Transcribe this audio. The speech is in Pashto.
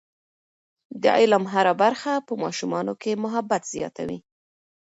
د علم هره برخه په ماشومانو کې محبت زیاتوي.